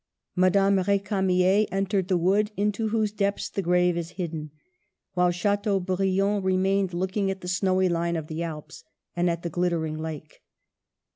Madame R£camier entered the wood into whose depths the grave is hidden, while Chateaubriand remained looking at the snowy line of the Alps, and at the glittering lake.